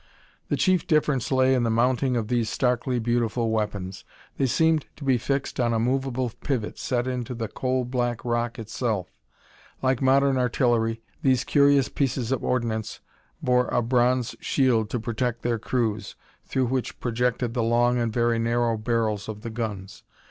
The chief difference lay in the mounting of these starkly beautiful weapons. They seemed to be fixed on a movable pivot set into the coal black rock itself. Like modern artillery, these curious pieces of ordnance bore a bronze shield to protect their crews, through which projected the long and very narrow barrels of the guns.